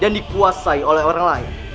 dan dikuasai oleh orang lain